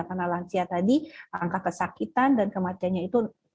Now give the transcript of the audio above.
karena lansia tadi angka kesakitan dan kematiannya itu